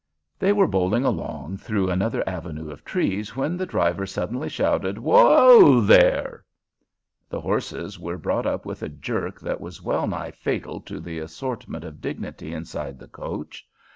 They were bowling along through another avenue of trees when the driver suddenly shouted, "Whoa there!" The horses were brought up with a jerk that was well nigh fatal to the assortment of dignity inside the coach.